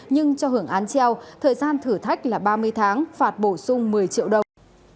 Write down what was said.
nhưng cho hưởng án treo thời gian thử thách là ba mươi tháng phạt bổ sung một mươi triệu đồng